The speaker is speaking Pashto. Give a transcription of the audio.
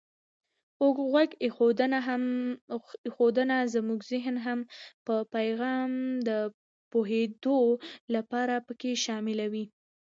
خو غوږ ایښودنه زمونږ زهن هم په پیغام د پوهېدو لپاره پکې شاملوي.